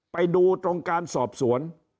ไปดูตรงการสอบสวน